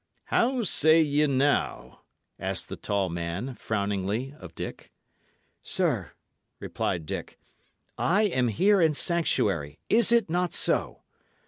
"How say ye now?" asked the tall man, frowningly, of Dick. "Sir," replied Dick, "I am here in sanctuary, is it not so?